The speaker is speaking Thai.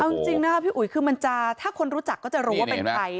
เอาจริงนะคะพี่อุ๋ยคือมันจะถ้าคนรู้จักก็จะรู้ว่าเป็นใคร